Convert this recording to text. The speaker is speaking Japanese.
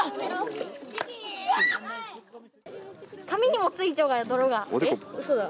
髪にも付いちょうが、泥が。